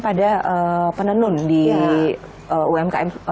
pada penenun di umkm